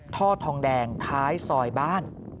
ท่อทองแดงท้ายซอยบ้าน